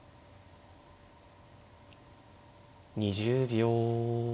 ２０秒。